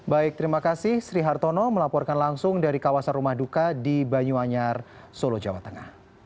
baik terima kasih sri hartono melaporkan langsung dari kawasan rumah duka di banyuanyar solo jawa tengah